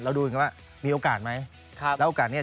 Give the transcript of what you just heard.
เราดูอย่างงี้ว่ามีโอกาสมั้ย